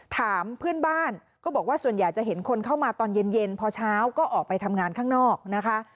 ถามเพื่อนบ้านก็บอกว่าส่วนใหญ่จะเห็นคนเข้ามาตอนเย็นพอเช้าก็ออกไปทำงานข้างนอกนะคะ